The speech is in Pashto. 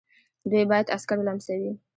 دوی باید عسکر ولمسوي.